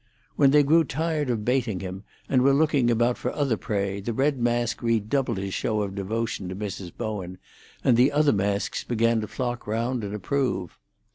When they grew tired of baiting him, and were looking about for other prey, the red mask redoubled his show of devotion to Mrs. Bowen, and the other masks began to flock round and approve.